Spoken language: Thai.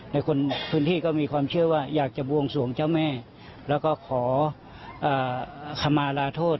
ในคนพื้นที่ก็มีความเชื่อว่าอยากจะบวงสวงเจ้าแม่แล้วก็ขอคำมาลาโทษ